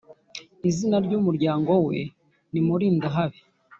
izina ryumuryango we ni Mulindahabi